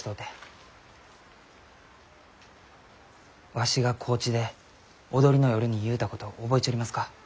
わしが高知で踊りの夜に言うたこと覚えちょりますか？